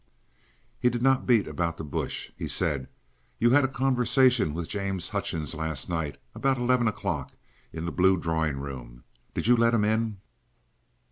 He did not beat about the bush; he said: "You had a conversation with James Hutchings last night, about eleven o'clock, in the blue drawing room. Did you let him in?"